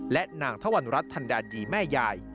และนางทวรรณรัฐทันดาดีแม่ยาย